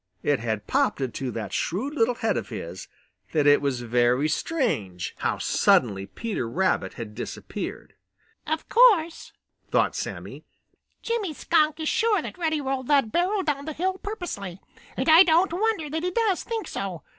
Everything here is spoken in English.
It had popped into that shrewd little head of his that it was very strange how suddenly Peter Rabbit had disappeared. "Of course," thought Sammy, "Jimmy Skunk is sure that Reddy rolled that barrel down hill purposely, and I don't wonder that he does think so.